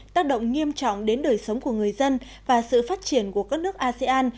tác động nghiêm trọng đến đời sống của người dân và sự phát triển của các nước asean